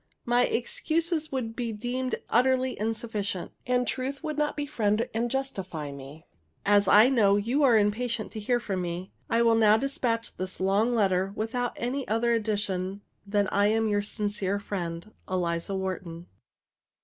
My excuses would be deemed utterly insufficient, and truth would not befriend and justify me. As I know you are impatient to hear from me, I will now despatch this long letter without any other addition than that I am your sincere friend, ELIZA WHARTON.